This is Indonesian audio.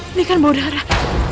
ini kan bau darah